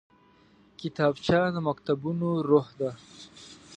کتابچه د مکتبونو روح ده